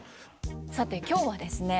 さて今日はですね